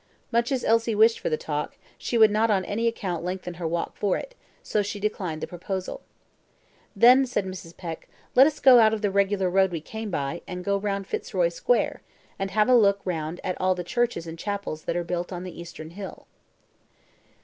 Much as Elsie wished for the talk, she would not on any account lengthen her walk for it, so she declined the proposal. "Then," said Mrs. Peck, "let us go out of the regular road we came by, and go round Fitzroy Square, and have a look round at all the churches and chapels that are built on the Eastern Hill."